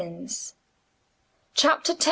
CHAPTER X.